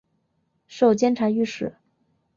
授监察御史。